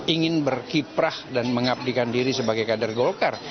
ingin berkiprah dan mengabdikan diri sebagai kader golkar